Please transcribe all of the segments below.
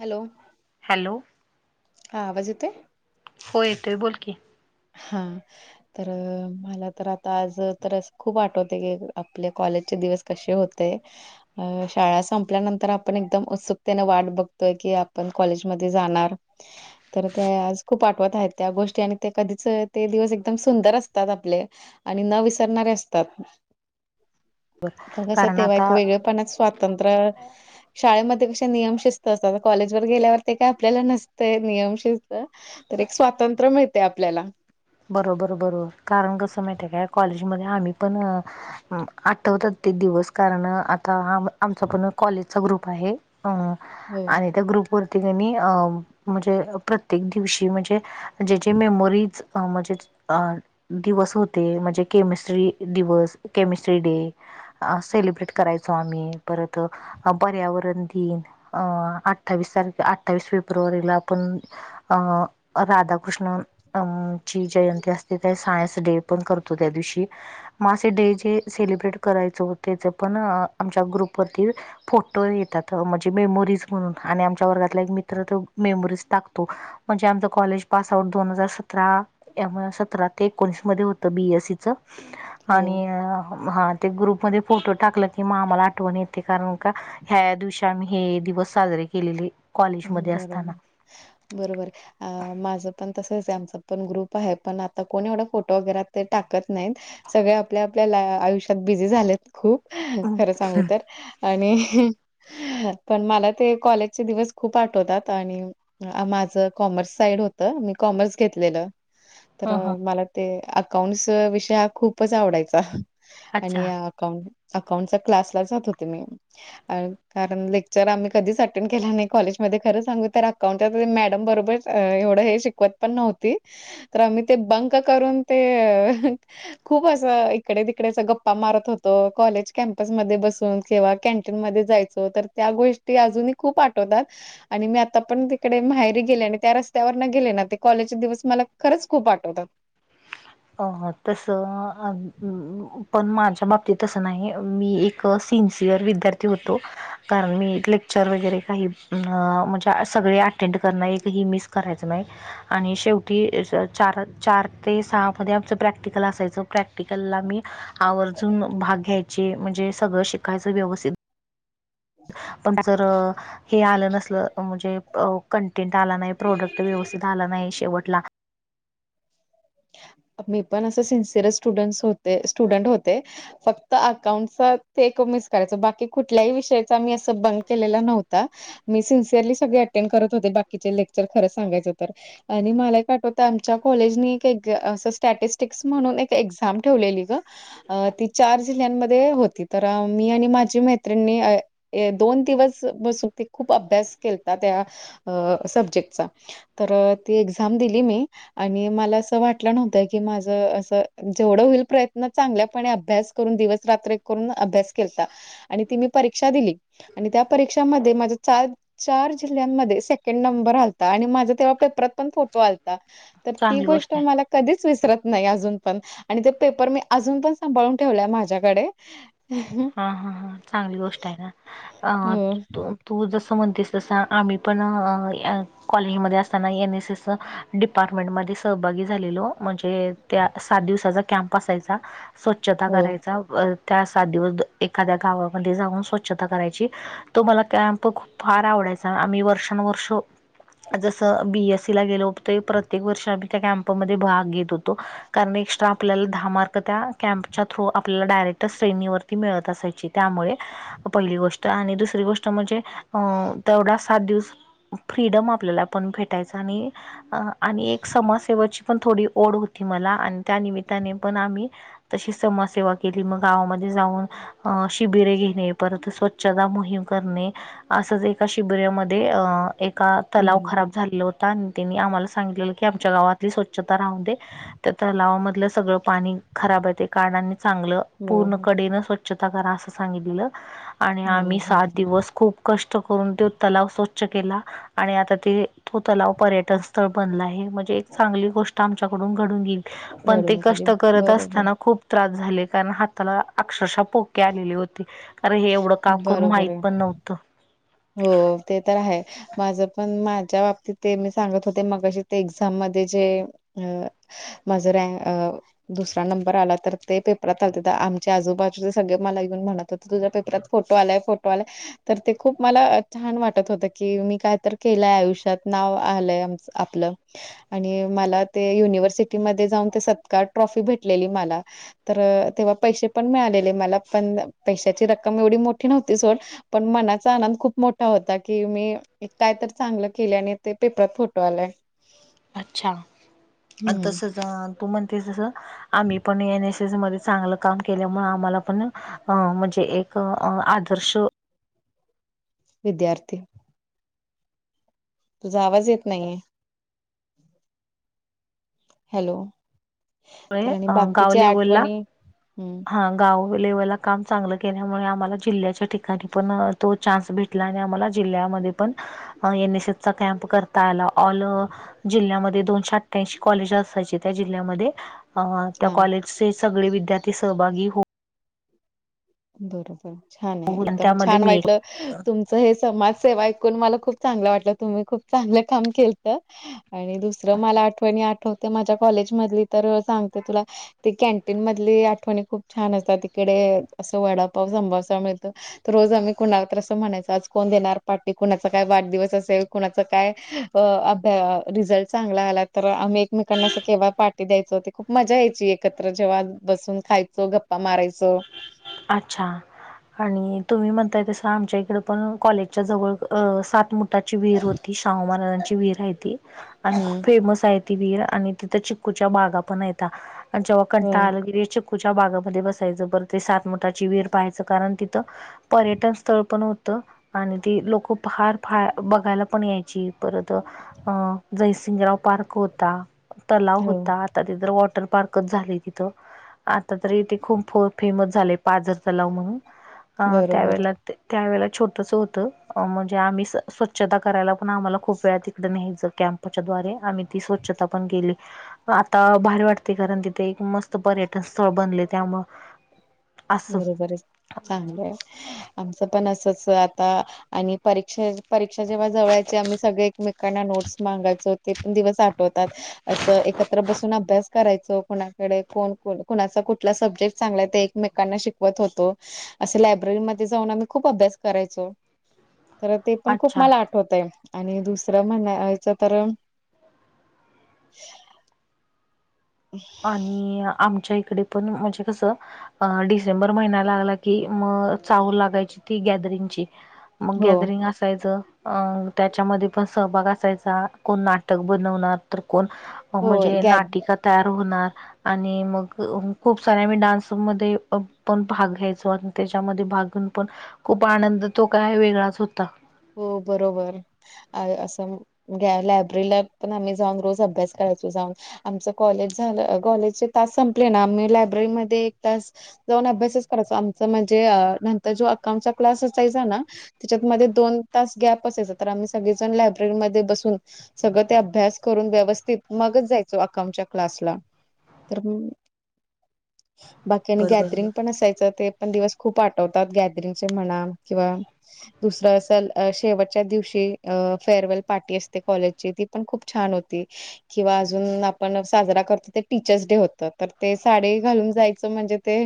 Hello hello! हा आवाज येतोय. हो येतोय बोल की. हा तर मला तर आता आज तर खूप आठवते की आपल्या कॉलेजचे दिवस. कसे होते अ शाळा संपल्यानंतर आपण एकदम उत्सुकतेने वाट बघतो की आपण कॉलेजमध्ये जाणार तर ते आज खूप आठवत आहेत त्या गोष्टी आणि ते कधी ते दिवस एकदम सुंदर असतात आपले आणि न विसरणारे असतात [inaudible] तर कसं कारण तेव्हा एक आता वेगळेपणा स्वातंत्र शाळेमध्ये कसे नियम शिस्त असतात कॉलेज वर गेल्यावर ते काय आपल्याला नसतंय नियम शिस्त तर एक स्वातंत्र्य मिळते आपल्याला बरोबर बरोबर कारण कसं माहित आहे का कॉलेजमध्ये आम्ही पण आठवतात ते दिवस कारण.. आमच पण कॉलेजचा ग्रुप आहे हो आणि त्या ग्रुप पर्तीग अ म्हणजे प्रत्येक दिवशी म्हणजे जेज मेमोरीज म्हणजे. दिवस होते म्हणजे केमिस्ट्री दिवस केमिस्ट्री डे.. अ सेलिब्रेट करायचो आम्ही परत.. अ पर्यावरण दिन अं अठ्ठावीस तारखे अठ्ठावीस फेब्रुवारीला आपण... अं राधाकृष्ण अमं.. ची जयंती असते त्या सायन्स डे पण करतो त्या दिवशी.. मासे डे जे सेलिब्रेट करायचं त्याच पण आमच्या ग्रुपवररती... फोटो येतात म्हणजे मेमोरीज म्हणून आणि आमच्या वर्गातला एक मित्र मेमोरीज टाकतो. म्हणजे आमचं कॉलेज पास आउट दोन हजार सतरा. त्या सतरा ते एकोणीस मध्ये होत बी एससीच हो आणि हा... ते ग्रुपमध्येध्ये फोटो टाकलं की मामला आठवण येते कारण का.. ह्या दिवशी आम्ही हे दिवस साजरे केलेले.. ् कॉलेजमध्ये असताना बरोबर बरोबर अ माझं पण तसंच आमचा पण ग्रुप आहे पण आता कोणी एवढा फोटो वगैरे ते टाकत नाहीत. सगळे आपल्या आपल्या आयुष्यात बिझी झालेत खूप खरं सांगू तर.. आणि पण मला ते कॉलेजचे दिवस.. खूप आठवतात आणि माझं कॉमर्स साईड होतं मी कॉमर्स घेतलेलं.. तर हा हा मला ते अकाउंट्स विषय हा खूपच आवडायचा अच्छा आणि.. अकां अकाउंटचा क्लासला जात होते मी... कारण लेक्चर आम्ही कधीच अटेंड केला नाही. कॉलेज मध्ये खरं सांगू तर अकाउंट मॅडम बरोबर एवढं हे शिकवत पण नव्हती. तर आम्ही ते बंक करून ते अ खूप असं इकडे तिकडेच गप्पा मारत होतो कॉलेज कॅम्पसमध्येध्ये बसून किंवा कॅन्टीन मध्ये जायच. सो तर त्या गोष्टी अजूनही खूप आठवतात. आणि मी आता पण तिकडे माहेरी गेले आणि त्या रस्त्यावर ना गेले ना ते कॉलेजचे दिवस मला खरंच खूप आठवतात.. अ तसं पण माझ्या बाबतीत तसं नाही मी एक.. सिन्सिअर विद्यार्थी होतो. कारण मी लेक्चर वगैरे काही म्हणजे सगळे अटेंड करणं एकही मिस करायचं नाही. आणि शेवटी चार चार ते सहा. मध्ये आमचं प्रॅक्टिकल असायचं प्रॅक्टिकलला आ्ही आवर्जून भाग घ्यायच म्हणजे सगळं शिकायचं व्यवस्थित.. ह पण जर. हे आलं नसलं म्हणजे कंटेंट आला नाही प्रोडक्ट व्यवस्थित आला नाही शेवटला.. मी पण असं सि्सिअर स्टुडंट् होते स्टुडंट होते. फक्त अकाउंटचा ते एक मिस करायचं बाकी कुठल्याही विषयाचा मही असं बंग केलेला नव्हता. मी सिन्सिअरली सगळे अटेंड करत होते बाकीचे लेक्चर खरच सांगायच तर. आणि मला आठवत आमच्या कॉलेजनी काही.. अस स्टॅटिस्टिक्स म्हणून एक एक्झाम ठेवलेली ग. अ ती चार जिल्ह्यांमध्ये होती तर मी आणि माझी मैत्रिणीणी- दोन दिवस बसून ते खूप अभ्यास केतात त्या सब्जेक्टचा तर ती एक्झाम दिली मी आणि मला असं वाट- ्हत की माझ अस जेवढ होईल प्रयत्न चांगल्याप अभ्यास करून दिवस रात- ून अभ्यास के आणि ती मी परीक्षा दिली आणि त्या परीक्षामध्ये माझ चार. चार जिल्ह्यांमध्ये सेकंड नंबर आलता आणि माझा तेव्हा पेपरात पण फोटो आलता. तर ती चांगली गोष्ट आहे मला. कधीच विसरत नाही अजून पण आणि ते पेपर मी अजून पण सांभाळून ठेवलेय माझ्याकडे. हा- हा- हां चांगली गोष्ट आहे ना अ हो, तू जसं म्हणतेस तसं आम्ही पण अ.. कॉलिंगमध्ये असताना एन एस एसच डिपार्टमेंटमध्ये सहभागी झालेलो म्हणजे त्या- सात दिवसाचा कॅम्प असायचा स्व्छ स्वच्छता हो. करायचा त्या सात दिवस एखाद्या गावामध्ये जाऊन स्वच्छता करायची तो मला कॅम्प खूप फार आवडायचा आम्ही वर्षानुवर्ष जसं बी एस सी ला गेलो होत ते प्रत्येक वर्षी आम्ही त्या कॅम्पमध्ये भाग घेत होतो कारण एक्स्ट्रा आपल्याला दहा मार्क त्या कॅम्पच्या थ्रू आपल्याला डायरेक्ट श्रेणीवरती ती मिळत असायची त्यामुळे पहिली गोष्ट आणि दुसरी गोष्ट म्हणजे अ तेवढा सात दिवस फ्रीडम आपल्याला पण भेटायच आणि अ आणि एक समाजसेवाची पण थोडी ओढ होती मला आणि त्या निमित्ताने पण आम्ही तशी समाजसेवा केली मग गावामध्ये जाऊन अ शिबिरे घेणे परत स्वच्छता मोहीम करणे असंच एका शिबिरामध्ये अ एका तलाव बरोबर, खराब झालेला होता आणि त्यांनी आम्हाला सांगितलेल की आमच्या गावातली स्वच्छता राहू दे त्या तलावामधलं सगळ पाणी खराब आहे ते काढा आणि चांगलं पूर्ण बरोबर. कडेन स्वच्छता करा असं सांगितलेलं आणि आम्ही हो, हो. सात दिवस खूप कष्ट करून तो तलाव स्वच्छ केला आणि आता ते तो तलाव पर्य टन स्थळ बनला आहे म्हणजे एक चांगली गोष्ट आमच्याकडून घडून गेली पण ते घडून गेली. कष्ट करत बरोबर, असताना खूप त्रास झाले कारण हाताला अक्षरशः पोके आलेली होती कारण हे एवढं काम करून बरोबर माहित आहे. पण नव्हतं हो ते तर आहे माझ पण माझ्या बाबतीत ते मी सांगत होते मग कशी ते एक्झाम मध्ये जे अ माझं रँ -अ दुसरा नंबर आला तर ते पेपरात आलते आमच्या आजूबाजूचे सगळे मला येऊन म्हणत हो ते तुझ्या पेपरात फोटो -आलाय फोटो आलाय तर ते खूप मला छान वाटत होत की मी कायतर केलंय आयुष्यात नाव आलंय आपलं आणि मला ते युनिव्हर्सिटी मध्ये जाऊन ते सत्कार ट्रॉफी भेटलेली मला तर तेव्हा पैशे पण मिळालेले मला पण पैशाची रक्कम एवढी मोठी नव्हती सोड पण मनात चा आनंद खूप मोठा होता की मी काय तर चांगलं केलय आणि ते पेपरात फोटो आलाय अच्छा, आणि हम्म तसच तू म्हणतेस तस आम्ही पण एन एस एस मध्ये चांगल काम केल्यामुळे आम्हाला पण म्हणजे एक आदर्श विद्यार्थी तुझा आवाज येत नाहीये हॅलो होय तर आणि गाव बाकीच्या लेवलला आठवणी हम्म हा गाव लेवलला काम चांगलं केल्यामुळे आम्हाला जिल्ह्याच्या ठिकाणी पण तो चान्स भेटला आणि आम्हाला जिल्ह्यामध्ये पण एन एस एसचा कॅम्प करता आला ऑल जिल्ह्यामध्ये दोनशे अठ्ठ्याऐंशी कॉलेज असायचे त्या जिल्ह्यामध्ये अ त्या हा. कॉलेजचे सगळे विद्यार्थी सहभागी हो बरोबर छान आहे एकदम त्यामध्ये छान मी एक वाईटलं तुमचं हे समाजसेवा ऐकून मला खूप चांगलं वाटलं तुम्ही खूप चांगलं [inaudible] काम केलत आणि दुसरं मला आठवणी आठवते माझ्या कॉलेज मधली तर सांगते तुला [inaudible] ते कॅन्टीन मधली आठवणी खूप छान असतात तिकडे असं वडापाव, संभोसा मिळतो तर रोज आम्ही कुणाला तसं म्हणायच आज कोण देणार पार्टी कुणाचा काय वाढदिवस असेल कुणाचं काय अ भ्या- रिझल्ट चांगला आला तर आम्ही एकमेकांना असं केव्हा पार्टी द्यायचो खूप मजा यायची एकत्र जेव्हा बसून खायचो गप्पा मारायचो अच्छा आणि तुम्ही म्हणताय तस आमच्या इकडे पण कॉलेजच्या जवळ सात मुठाची विहीर होती शाहू महाराजांची विहीर आहे ती आणि खूप हम्म फेमस आहे ती विहीर आणि तिथं चिक्कूच्या बागा पण आहेत्या. आणि जेव्हा हो. कंटाळा आला की चिक्कूच्या बागेमध्ये बसायचं परत ते सात ता ची, विहीर पाहायचं कारण तिथं पर्यटन स्थळ पण होतं. आणि ती लोक फार फार बघायला पण यायची परत अ जयसिंगराव पार्क होता तलाव हो होता. आता तिथ वॉटर पार्कच झालय तिथं आता तर इथे खूप फेमस झालय. पाजर तलाव म्हणून बरोबर त्यावेला त्यावेळे छोटस होतं. म्हणजे आम्ही स्वच्छता करायला पण आम्हाला खूप वेळा तिकडे नाहीचे कॅम्पच्याद्वारे आम्ही ती स्वच्छ छता पण केली. आता भारी वाटते कारण तिथे एक मस्त पर्यटन स्थळ बनले त्यामुळे बरोबर आहे चांगलं आहे. आमचं पण असच आता आणि परीक्षा परीक्षा जेव्हा जवळ याची आम्ही सगळे एकमेकांना नोट्स मागायचो ते पण दिवस आठवतात. असं एकत्र बसून अभ्यास करायचो कुणाकडे कोण कुणाचा कुठला सब्जेक्ट चांगलाय ते एकमे कांना शिकवत होतो अस लायब्ररीमध्ये जाऊन आम्ही खूप अभ्यास करायचो. तर ते पण खूप अच्छा मला आठवतंय आणि दुसरं म्हणायचं तर [inaudible] आणि आमच्या इकडे पण म्हणजे कसं अ डिसेंबर महिन्या लागला की मग चाहूल लागायची ती गॅदरिंगची. मग हो गॅदरिंग असायचं. अं त्याच्यामध्ये पण सहभाग असायचा कोण नाटक बनवणार तर कोण हो म्हणजे गॅ नाटिका तयार होणार. आणि मग खूप साऱ्या आम्ही डान्स मध्ये पण भाग घ्यायचो आणि त्याच्यामध्ये भाग घेऊन पण खूप आनंद तो काय वेगळाच होता. हो बरोबर असं लायब्ररीला पण आम्ही जाऊन रोज अभ्यास करायचो जाऊन आमचं कॉलेज झालं कॉलेजचे तास संपले ना आम्ही लायब्ररीमध्ये एक तास जाऊन अभ्यासच करायच आमच म्हणजे, नंतर जो अकाउंटचा क्लास असायचा ना त्याच्यातमध्ये दोन तास गॅप असायचा तर आम्ही सगळेजण लायब्ररीमध्ये बसून सगळं ते अभ्यास करून व्यवस्थित मागत जायचो अकाउंट क्लासला. तर बाकी आणि बरोबर गॅदरिंग पण असायचं ते पण दिवस खूप आठव तात गॅदरिंगचे म्हणा किंवा दुसरं अस अ शेवटच्या दिवशी फेअरवेल पार्टी असते कॉलेजची ती पण खूप छान होती. किंवा अजून आपण साजरा करतो ते टीचर्स डे होत तर ते साडे घालून जायचं म्हणजे ते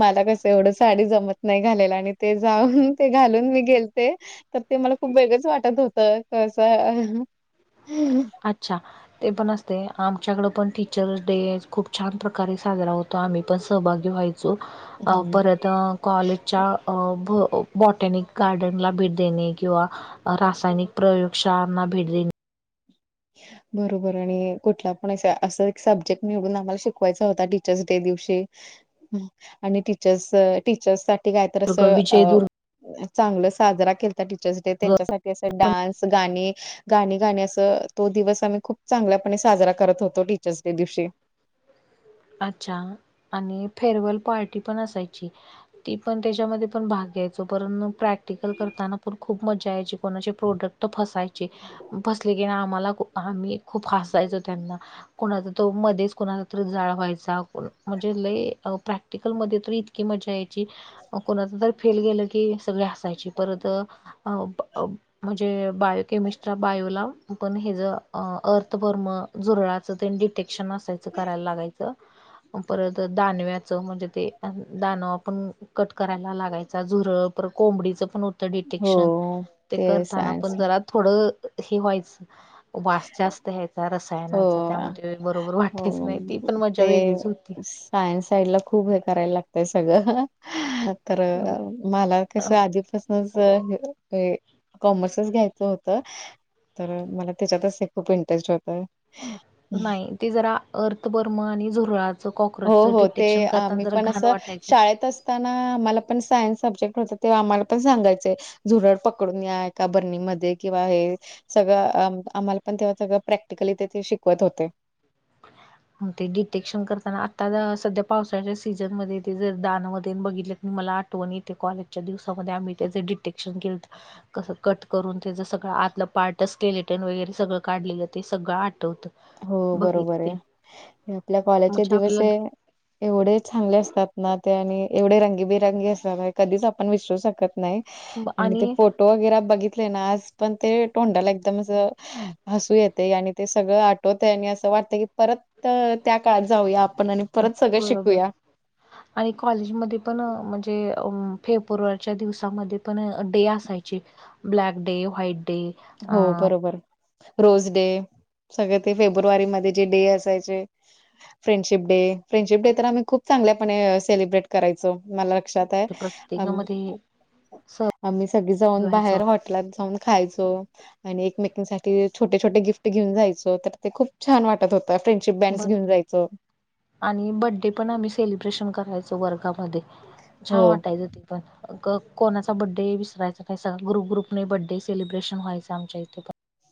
मला कस एवढं साडी जमत नाही घालायला आणि ते जाऊन ते घालून मी गेल ते तर ते मला खूप वेगळंच वाटत होतं कसं अच्छा! ते पण असतय आमच्याकड पण टीचर्स डे खूप छान प्रकारे साजरा होतो आम्ही पण सहभागी व्हायच चो हम्म परत तर कॉलेजच्या बॉटनिक गार्डनला भेट देणे किंवा रासायनिक प्रयोगशाळांना भेट देणे बरोबर आणि कुठला पण अस सब्जेक्ट निवडून आम्हाला शिकवायचा होता. टीचर्स डे दिवशी आणि टीचर्स टीचर्स काय तर आस दुर्ग विजयदुर्ग चांगलं साजरा केलत. टीचर्स डे त्यांच्यासाठी असं डान्स गाणी गाणी गान असं तो दिवस आम्ही खूप चांगल्यापणे साजरा करत होतो टीचर्स डे दिवशी. अच्छा आणि फेअरवेल पार्टी पण असायची. ती पण त्याच्यामध्ये पण भाग घ्यायचो प प्रॅक्टिकल करताना पण खूप मज्जा यायची कोणाचे प्रोडक्ट फसायचे. बसले की नाही आम्हाला आम्ही खूप फास जायचो त्यांना. कोणाचा तो मध्येच कोणाचा तर जाळा पैसा म्हणजे लयी प्रॅक्टिकल मध्ये त इतकी मजा येते कोणा फेल गेलं की सगळे हासायची परत म्हणजे बायोकमिस्ट्रा बायोला पण हे ज अर्थपर्म जुरळाचं प्रतेशन असयचं करायला लागाचं. परत दानव्याच म्हणजे ते दानव आपण कट करायला लागायचं. झुरळ कोंबडीच पण होतं डिटेक्शन हो ते करताना सायन्स पण जरा थोड हे व्हायचं वास जास्त यायचा रसायन हो त्या बरोबर वाटत नाही ते. हो ते सायन्स साईड ला खूप हे करायला लागतय सगळं तर मला कसं आधीपास कॉमर्सच घ्यायचं होत. तर मला त्याच्यातच हे खूप इंटरेस्ट होत. नाही ते जरा अर्थवर्म आणि झुरळात हो हो ते आम्ही पण असं वाटायचं शाळेतच असताना आम्हाला पण सायन्स सब्जेक्ट होत तेव्हा आम्हाला पण सांगायच झुरड पकडून या एका बर्णीमध्ये किंवा हे सगळं आम्हाला पण तेव्हा सगळं प्रॅक्टिकली तेथे शिकवत होते. ते डिटेक्शन करताना आता सध्या पावसाच्या सीझनमध्ये ते जर दाानमध्ये बघितले मला आणि इथे कॉलेजच्या दिवसामध्ये आम्ही त्याचे डिटेक्शन केलत. कसं कट करून त्याच सगळं आतलं पार्टच केले स्केलेटन वगैरे सगळं काढलेलं ते सगळं आठवत. हो बरोबर आहे आपल्या कॉलेजचे म्हणजे दिवस आहे. आपल्याला एवढे चांगले असतात ना ते आणि एवढे रंगी बिरंगी असतात हे कधीच आपण विसरू शकत नाही आणि ते फोटो वगैरे बघितले ना आज पण ते तोंडाला एकदम अस हसू येते आणि ते सगळं आ आणि असं वाटतं की परत त्या काळात जाऊया आपण आणि परत सगळं बरोबर शिकूया. आणि कॉलेजमध्ये पण म्हणजे फेब्रुवारीच्या दिवसामध्ये पण डे असायची ब्लॅक डे, व्हाईट डे, अ हो बरोबर रोज डे सगळ ते फेब्रुवारी मध्ये जे डे असायचे फ्रेंडशिप डे फ्रेंडशिप डे तर आम्ही खूप चांगल्यापणे सेलिब्रेट करायचो मला लक्षात प्रत्येकामध्ये सहभागी आम्ही सगळी जाऊन व्हायचं बाहेर हाॅटेला हाॅटेलात जाऊन खायचो आणि एकमेकीनसाठी छोटे, छोटे गिफ्ट घेऊन जायचो तर ते खूप छान वाटत होत. फ्रेंडशिप बॅनडस बर घेवुन जायचो आणि बड्डे पण आम्ही सेलिब्रेशन करायचो वर्गामध्ये छान हो. वाटायच. पण कोणाचा बड्डे विसरायचा नाही सगं ग्रुप ग्रुपने बर्डे सेलिब्रेशन व्हायचं आमच्या इथे पण